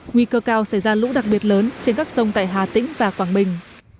nguy cơ cao sẽ ra lũ đặc biệt lớn trên các sông tại hà tĩnh và quảng bình